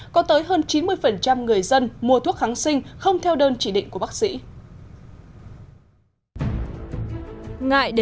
có tới hơn chín mươi người dân mua thuốc kháng sinh không theo đơn chỉ định của bác sĩ